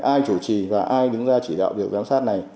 ai chủ trì và ai đứng ra chỉ đạo việc giám sát này